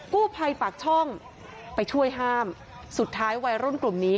กู้ภัยปากช่องไปช่วยห้ามสุดท้ายวัยรุ่นกลุ่มนี้